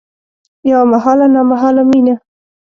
یوه محاله نامحاله میینه